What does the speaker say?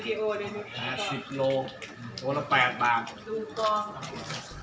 ติดตามต่อไป